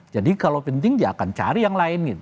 jadi kalau penting dia akan cari yang lain